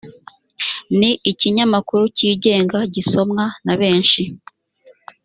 ni ikinyamakuru cyigenga gisomwa na benshi